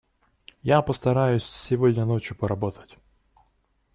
Я постараюсь сегодня ночью поработать.